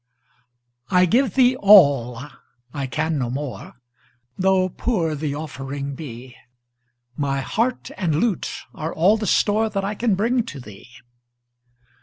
I give thee all I can no more Tho' poor the offering be; My heart and lute are all the store That I can bring to thee.